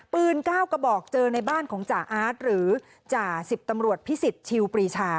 ๙กระบอกเจอในบ้านของจ่าอาร์ตหรือจ่าสิบตำรวจพิสิทธิวปรีชา